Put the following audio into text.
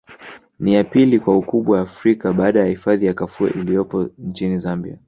Ni ya pili kwa ukubwa Afrika baada ya hifadhi ya Kafue iliyopo nchini Zambia